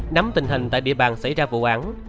nắm tình hình tại địa bàn xảy ra vụ án